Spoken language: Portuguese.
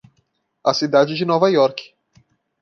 A cidade de Nova York.